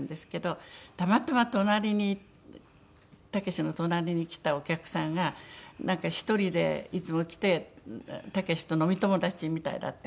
たまたま隣に武の隣に来たお客さんがなんか１人でいつも来て武と飲み友達みたいだって。